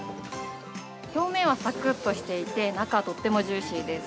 表面はさくっとしていて、中はとってもジューシーです。